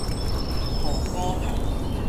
蘋果派